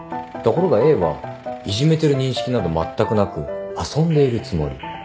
ところがＡはいじめてる認識などまったくなく遊んでいるつもり。